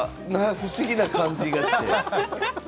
不思議な感じがして。